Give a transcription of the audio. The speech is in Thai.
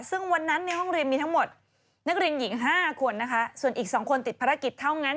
ซึ่งวันนั้นในห้องเรียนมีทั้งหมดนักเรียนหญิง๕คนนะคะส่วนอีก๒คนติดภารกิจเท่านั้น